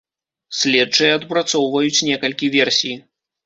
Следчыя адпрацоўваюць некалькі версій.